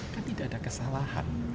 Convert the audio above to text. kan tidak ada kesalahan